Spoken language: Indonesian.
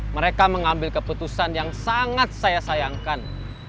mereka mengambil keputusan yang sangat saya sayangkan